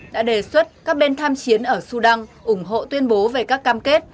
đã đề xuất các bên tham chiến ở sudan ủng hộ tuyên bố về các cam kết